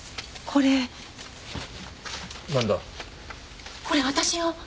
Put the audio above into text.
これ私よ。